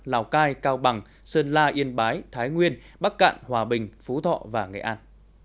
lào cai cao bằng sơn la yên bái thái nguyên bắc cạn hòa bình phú thọ và nghệ an